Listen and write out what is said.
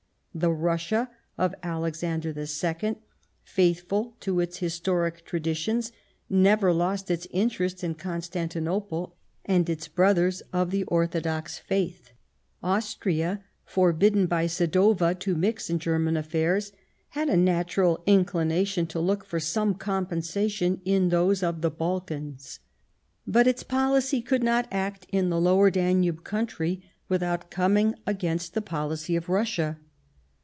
The Russia of Alexander II, faithful to its historic traditions, never lost its interest in Constantinople and its brothers of the Orthodox Faith. Austria, forbidden by Sadowa to mix in German affairs, had a natural inclination to look for some compensation in those of the Balkans ; but its policy could not act in the Lower Danube country without coming against the policy of Russia.